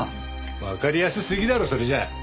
わかりやすすぎだろそれじゃあ。